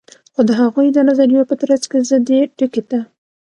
خو د هغوي د نظریو په ترڅ کی زه دې ټکي ته